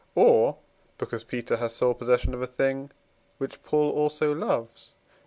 or because Peter has sole possession of a thing which Paul also loves (III.